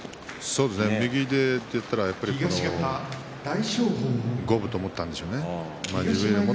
右でと思ったら五分だと思ったんでしょうね。